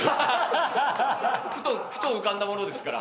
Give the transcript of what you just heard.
ふと浮かんだものですから。